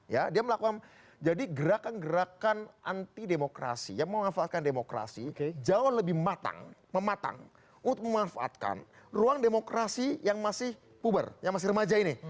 ya dia melakukan jadi gerakan gerakan anti demokrasi yang memanfaatkan demokrasi jauh lebih mematang untuk memanfaatkan ruang demokrasi yang masih puber yang masih remaja ini